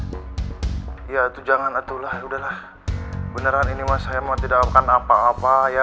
oh ya tuh jangan itu lah udahlah beneran ini mas saya mau tidak akan apa apa ya